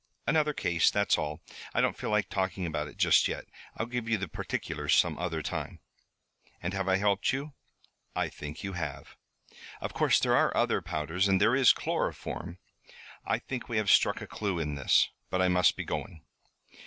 "Another case, that's all. I don't feel like talking about it just yet. I'll give you the particulars some other time." "And have I helped you?" "I think you have." "Of course there are other powders and there is chloroform " "I think we have struck a clue in this. But I must be going."